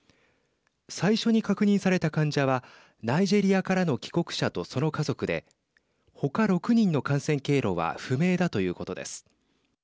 最初に確認された患者はナイジェリアからの帰国者とその家族でほか６人の感染経路は不明だということです。